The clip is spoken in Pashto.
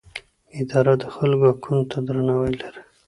اداره د خلکو حقونو ته درناوی لري.